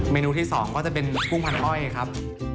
เมนูที่๒ก็จะเป็นกุ้งพันอ้อยครับ